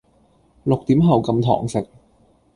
六點後禁堂食